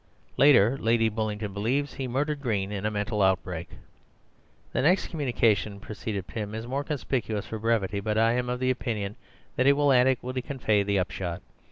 Later, Lady Bullingdon believes he murdered Green in a mental outbreak." "The next communication," proceeded Pym, "is more conspicuous for brevity, but I am of the opinion that it will adequately convey the upshot.